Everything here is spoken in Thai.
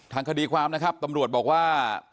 ทางคดีความนะครับตำรวจบอกว่า